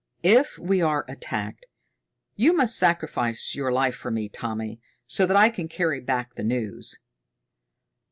If we are attacked, you must sacrifice your life for me, Tommy, so that I can carry back the news."